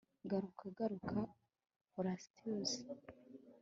Garuka garuka Horatius